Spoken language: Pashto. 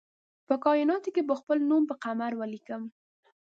په کائیناتو کې به خپل نوم پر قمر ولیکم